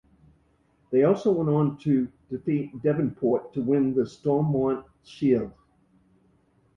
They also went on to defeat Devonport to win the Stormont Shield.